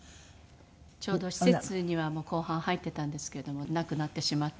ちょうど施設には後半入ってたんですけれども亡くなってしまって。